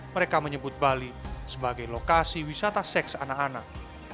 mereka menyebut bali sebagai lokasi wisata seks anak anak